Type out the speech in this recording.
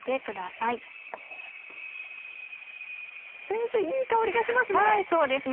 いい香りがしますね。